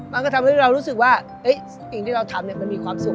มันก็ทำให้เรารู้สึกว่าสิ่งที่เราทำมันมีความสุข